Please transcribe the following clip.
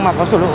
mà điều khiển xe